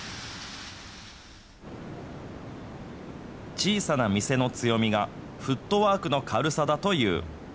小さな店の強みが、フットワークの軽さだという。